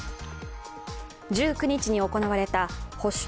１９日に行われた保守